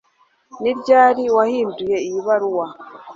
Ni ryari wahinduye iyi baruwa